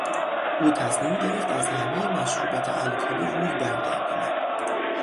او تصمیم گرفت از همهی مشروبات الکلی روی بگرداند.